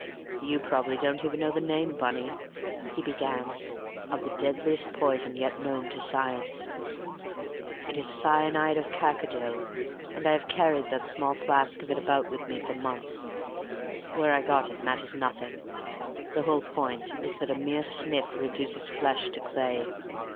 "You probably don't even know the name, Bunny," he began, "of the deadliest poison yet known to science. It is cyanide of cacodyl, and I have carried that small flask of it about with me for months. Where I got it matters nothing; the whole point is that a mere sniff reduces flesh to clay.